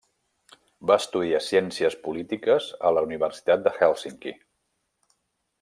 Va estudiar ciències polítiques a la Universitat de Hèlsinki.